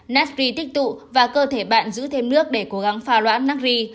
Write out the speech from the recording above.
natri tích tụ và cơ thể bạn giữ thêm nước để cố gắng pha loãn natri